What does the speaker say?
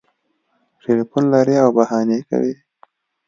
ټلیفون لري او بهانې کوي